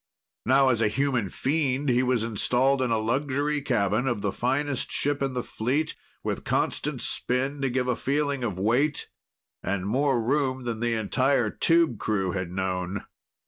Now, as a human fiend, he was installed in a luxury cabin of the finest ship of the fleet, with constant spin to give a feeling of weight and more room than the entire tube crew had known.